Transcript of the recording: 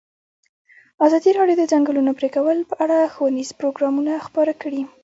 ازادي راډیو د د ځنګلونو پرېکول په اړه ښوونیز پروګرامونه خپاره کړي.